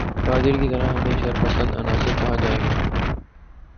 قادری کی طرح ہمیں شرپسند عناصر کہا جائے گا